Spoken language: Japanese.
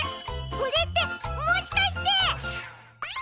これってもしかして！